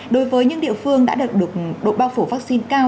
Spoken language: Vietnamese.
đối với những địa phương đã đạt được độ bao phủ vaccine cao